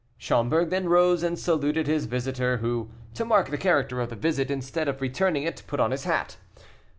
Schomberg then rose and saluted his visitor, who, to mark the character of the visit, instead of returning it, put on his hat.